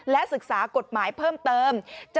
และศึกษากฎหมายเพิ่มเติม